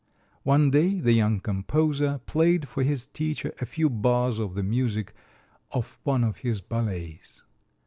One day the young composer played for his teacher a few bars of the music of one of his ballets.